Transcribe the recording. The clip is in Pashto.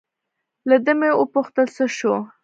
له ده مې و پوښتل: څه شو؟